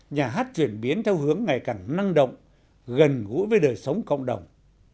nhà hát chuyển biến theo hướng ngày càng năng động gần gũi với đời sống cộng đồng